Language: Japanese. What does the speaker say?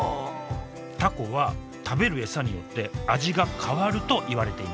タコは食べる餌によって味が変わるといわれています。